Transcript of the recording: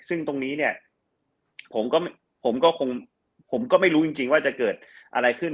ซึ่งตรงนี้ผมก็ไม่รู้จริงว่าจะเกิดอะไรขึ้น